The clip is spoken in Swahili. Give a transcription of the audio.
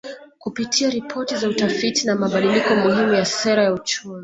Kupitia ripoti za utafiti na mabadiliko muhimu ya Sera ya Uchumi